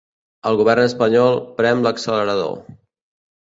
El govern espanyol prem l’accelerador.